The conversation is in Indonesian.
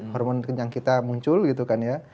hormon kenyang kita muncul gitu kan ya